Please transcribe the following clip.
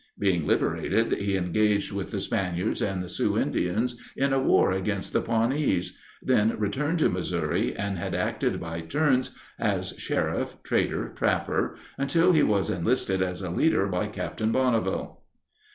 Being liberated, he engaged with the Spaniards and Sioux Indians in a war against the Pawnees; then returned to Missouri, and had acted by turns as sheriff, trader, trapper, until he was enlisted as a leader by Captain Bonneville."